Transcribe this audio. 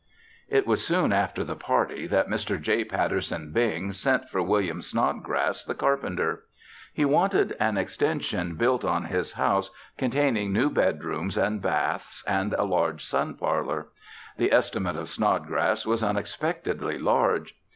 It was soon after the party that Mr. J. Patterson Bing sent for William Snodgrass, the carpenter. He wanted an extension built on his house containing new bedrooms and baths and a large sun parlor. The estimate of Snodgrass was unexpectedly large.